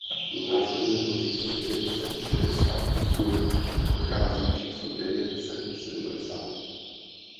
Následuje po čísle devět set šedesát osm a předchází číslu devět set sedmdesát.